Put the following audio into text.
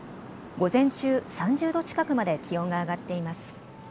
午前中、３０度近くまで気温が上がっています。